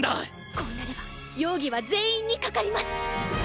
こうなれば容疑は全員にかかります。